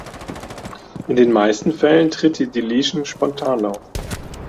In den meisten Fällen tritt die Deletion spontan auf.